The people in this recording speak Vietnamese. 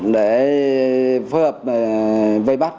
để phối hợp vây bắt